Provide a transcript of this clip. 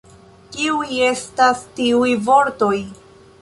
Kiuj estas tiuj vortoj?